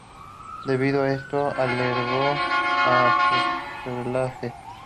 Debido a esto alargó el fuselaje.